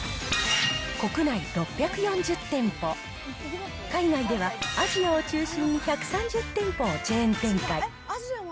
国内６４０店舗、海外ではアジアを中心に１３０店舗をチェーン展開。